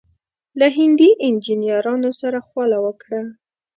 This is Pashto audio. له هندي انجنیرانو سره خواله وکړه.